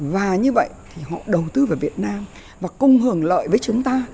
và như vậy thì họ đầu tư vào việt nam và cùng hưởng lợi với chúng ta